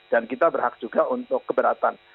dan kita berhak juga untuk keberatan